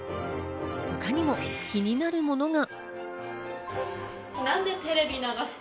他にも気になるものが。